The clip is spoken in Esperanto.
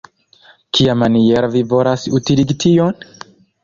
Kiamaniere vi volas utiligi tion?